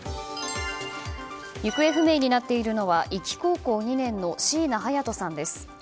行方不明になっているのは壱岐高校２年の椎名隼都さんです。